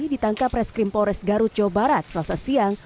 ditangkap reskrim polres garut jawa barat selasa siang